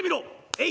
「えい！」。